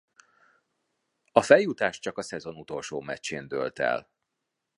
A feljutás csak a szezon utolsó meccsén dőlt el.